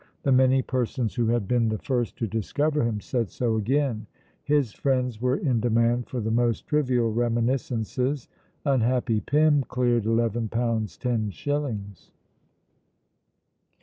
The many persons who had been the first to discover him said so again. His friends were in demand for the most trivial reminiscences. Unhappy Pym cleared £ll 10s.